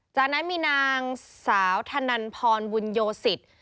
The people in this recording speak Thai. จากนั้นมีนางสาวธนันพรบุญโยสิต